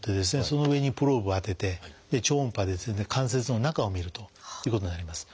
その上にプローブを当てて超音波で関節の中を見るということになります。